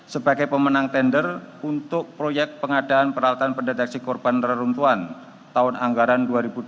sebagai pemenang tender untuk proyek pengadaan peralatan pendeteksi korban reruntuhan tahun anggaran dua ribu dua puluh